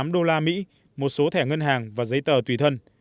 hai mươi tám đô la mỹ một số thẻ ngân hàng và giấy tờ tùy thân